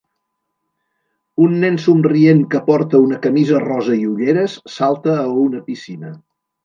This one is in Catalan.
Un nen somrient que porta una camisa Rosa i ulleres salta a una piscina